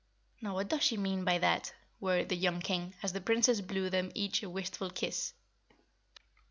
"Now what does she mean by that?" worried the young King, as the Princess blew them each a wistful kiss.